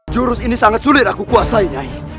jurus ini sangat sulit aku kuasain